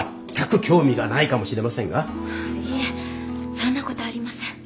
いえそんな事ありません。